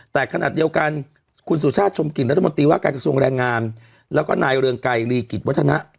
แต่ขณะเดียวกันคุณสุชาติชมกิจรัฐมนตรีว่าการกระทรวงแรงงานแล้วก็นายเรืองไกรลีกิจวัฒนะ